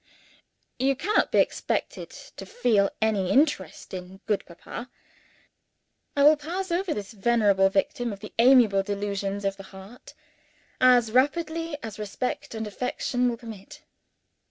You cannot be expected to feel any interest in good Papa. I will pass over this venerable victim of the amiable delusions of the heart, as rapidly as respect and affection will permit.